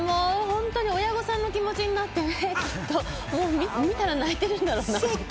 親御さんの気持ちになってね、見たら泣いてるんだろうな。